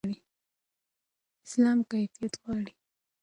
اسلام کیفیت غواړي.